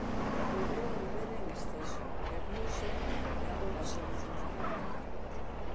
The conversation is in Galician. Volveu beber en exceso e viuse obrigado a solicitar a bancarrota.